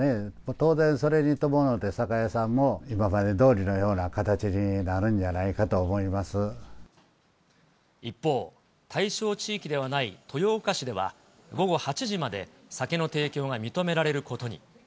当然、それに伴って酒屋さんも今までどおりのような形になるんじゃない一方、対象地域ではない豊岡市では、午後８時まで酒の提供が認められることに。